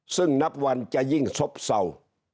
ซึ่งนับวันจะยิ่งซบเศร้า